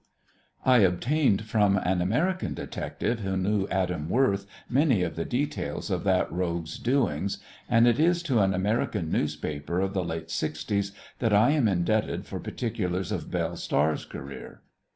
I obtained from an American detective who knew Adam Worth many of the details of that rogue's doings, and it is to an American newspaper of the late sixties that I am indebted for particulars of Belle Star's career.